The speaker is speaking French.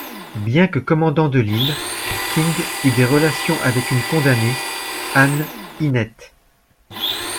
Bien que commandant de l'île, King eut des relations avec une condamnée, Ann Inett.